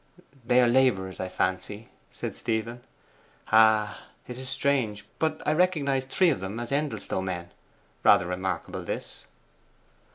'They are labourers, I fancy,' said Stephen. 'Ah, it is strange; but I recognize three of them as Endelstow men. Rather remarkable this.